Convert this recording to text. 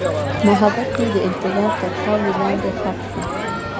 محبت مې د انتظار تر خاورې لاندې ښخ شو.